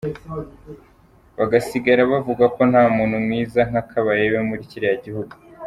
Bagasigara bavuga ko nta muntu mwiza nka Kabarebe muri kiriya gihugu.